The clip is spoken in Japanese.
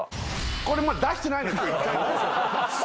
これまだ出してないんです